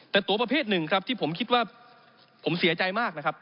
แต่ตัวประเภทหนึ่งครับที่ผมคิดว่าผมเสียใจมากนะครับ